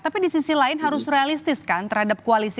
tapi di sisi lain harus realistis kan terhadap koalisi